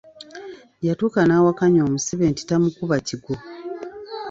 Yatuuka n'awakanya omusibe nti tamukuba kigwo.